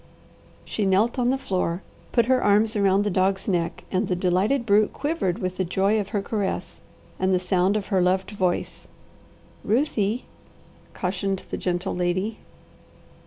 She knelt on the floor, put her arms around the dog's neck, and the delighted brute quivered with the joy of her caress and the sound of her loved voice. "Ruthie!" cautioned the gentle lady.